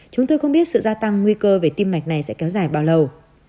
chúng tôi không biết sự gia tăng nguy cơ về tim mạch này sẽ kéo dài bao lâu